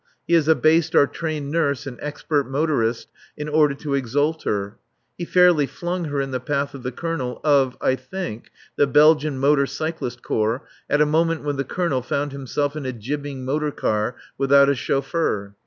He has abased our trained nurse and expert motorist in order to exalt her. He fairly flung her in the path of the Colonel of (I think) the Belgian Motor Cyclist Corps at a moment when the Colonel found himself in a jibbing motor car without a chauffeur.